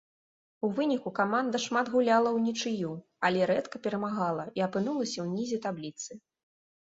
У выніку каманда шмат гуляла ўнічыю, але рэдка перамагала і апынулася ўнізе табліцы.